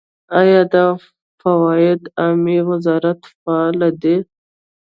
آیا د فواید عامې وزارت فعال دی؟